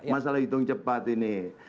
masalah hitung cepat ini